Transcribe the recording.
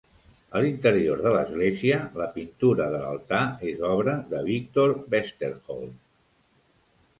A l'interior de l'església, la pintura de l'altar és obra de Victor Westerholm.